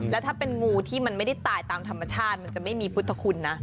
แล้วถ้าเป็นงูที่มันไม่ได้ตายตามธรรมชาติมันจะไม่มีพุทธคุณนะ